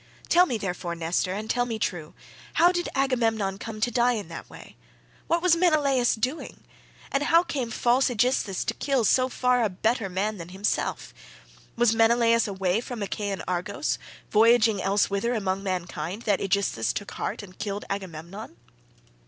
Tell me, therefore, Nestor, and tell me true; how did Agamemnon come to die in that way? What was Menelaus doing? And how came false Aegisthus to kill so far better a man than himself? Was Menelaus away from Achaean Argos, voyaging elsewhither among mankind, that Aegisthus took heart and killed Agamemnon?"